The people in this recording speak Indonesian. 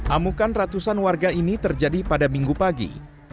amukan ratusan warga ini terjadi pada minggu pagi